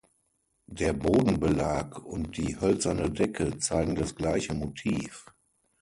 Der Bodenbelag und die hölzerne Decke zeigen das gleiche Motiv.